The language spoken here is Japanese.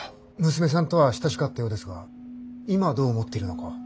娘さんとは親しかったようですが今どう思っているのかは。